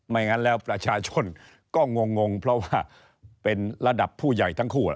งั้นแล้วประชาชนก็งงเพราะว่าเป็นระดับผู้ใหญ่ทั้งคู่